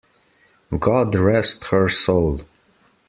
God rest her soul!